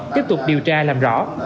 tiếp tục điều tra làm rõ